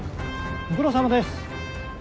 ご苦労さまです。